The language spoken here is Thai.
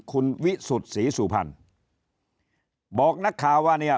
คุณวิสุทธิ์ศรีสุพรรณบอกนักข่าวว่าเนี่ย